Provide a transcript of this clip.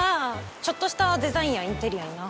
ちょっとしたデザインやインテリアにな。